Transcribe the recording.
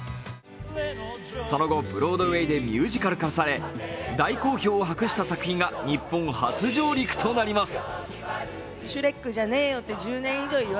その後、ブロードウェイでミュージカル化され大好評を博した作品が日本初上陸となります。